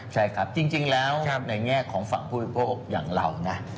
ใช่ครับจริงแล้วในแง่ของฝั่งผู้บริโภคอย่างเรานะ